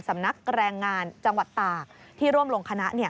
นักแรงงานจังหวัดตากที่ร่วมลงคณะ